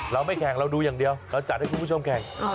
เราไม่แข่งเราดูอย่างเดียวเราจัดให้คุณผู้ชมแข่ง